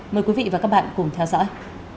mời quý vị và các bạn cùng theo dõi